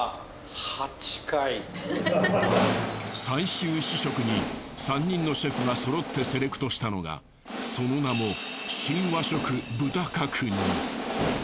最終試食に３人のシェフがそろってセレクトしたのがその名も。